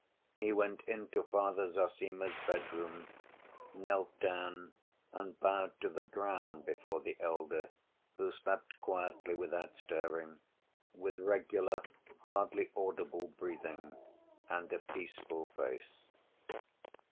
He went into Father Zossima's bedroom, knelt down, and bowed to the ground before the elder, who slept quietly without stirring, with regular, hardly audible breathing and a peaceful face.